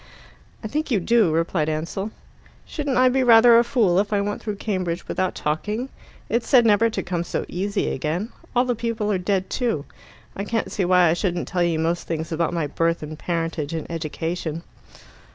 "I think you do," replied Ansell. "Shouldn't I be rather a fool if I went through Cambridge without talking? It's said never to come so easy again. All the people are dead too. I can't see why I shouldn't tell you most things about my birth and parentage and education."